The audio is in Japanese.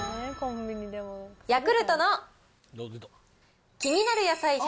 ヤクルトのきになる野菜１００